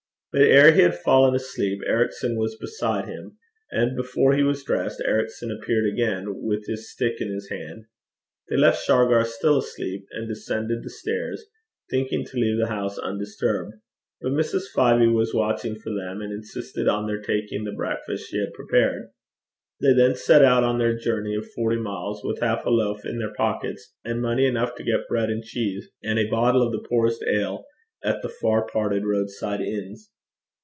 But ere he had fallen asleep, Ericson was beside him; and before he was dressed, Ericson appeared again, with his stick in his hand. They left Shargar still asleep, and descended the stairs, thinking to leave the house undisturbed. But Mrs. Fyvie was watching for them, and insisted on their taking the breakfast she had prepared. They then set out on their journey of forty miles, with half a loaf in their pockets, and money enough to get bread and cheese, and a bottle of the poorest ale, at the far parted roadside inns.